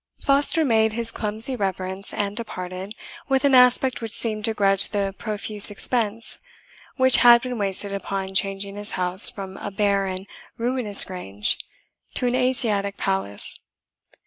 Foster made his clumsy reverence, and departed, with an aspect which seemed to grudge the profuse expense which had been wasted upon changing his house from a bare and ruinous grange to an Asiastic palace.